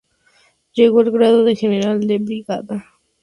Llegó al grado de general de brigada.